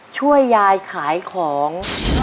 ช่วยยายขายของ